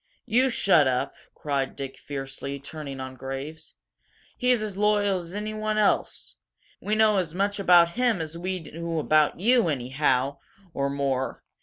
"You shut up!" cried Dick, fiercely, turning on Graves. "He's as loyal as anyone else! We know as much about him as we do about you, anyhow or more!